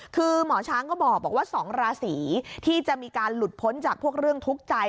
คือหมอช้างก็บอกว่า๒ราศีที่จะมีการหลุดพ้นจากพวกเรื่องทุกข์ใจ